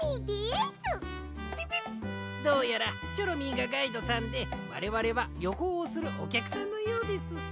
ピピッどうやらチョロミーがガイドさんでわれわれはりょこうをするおきゃくさんのようです。